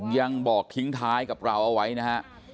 ยังบอกทิ้งท้ายกับเราเอาไว้นะฮะ